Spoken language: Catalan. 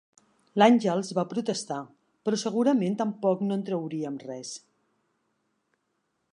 L'Àngels va protestar, però segurament tampoc no en trauríem res.